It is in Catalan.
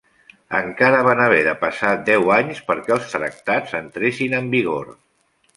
Encara van haver de passar deu anys perquè els tractats entressin en vigor.